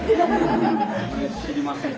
知りませんよ。